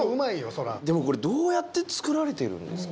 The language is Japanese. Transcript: そりゃでもこれどうやって作られているんですか？